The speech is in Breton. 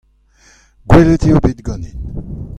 Gwelet eo bet ganin.